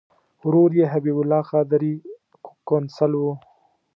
ورور یې حبیب الله قادري قونسل و.